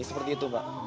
seperti itu mbak